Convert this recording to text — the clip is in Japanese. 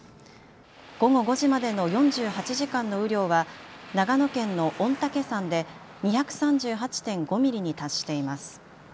午後５時までの４８時間の雨量は長野県の御嶽山で２３８．５ミリに達しています。